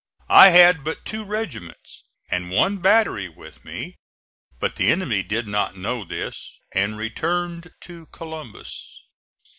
I had but two regiments and one battery with me, but the enemy did not know this and returned to Columbus.